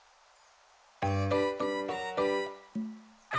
あ！